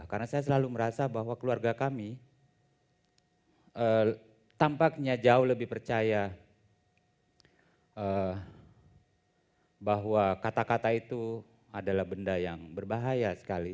karena saya selalu merasa bahwa keluarga kami tampaknya jauh lebih percaya bahwa kata kata itu adalah benda yang berbahaya sekali